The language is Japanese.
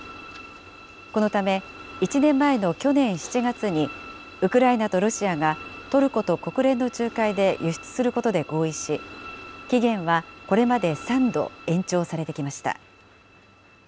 このため１年前の去年７月に、ウクライナとロシアが、トルコと国連の仲介で輸出することで合意し、期限はこれまで３度延長されてきました。